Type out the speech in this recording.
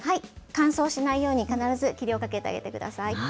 乾燥しないように必ず霧をかけてあげてください。